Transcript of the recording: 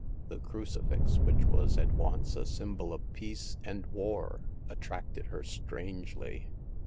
The crucifix, which was at once a symbol of peace and war attracted her strangely.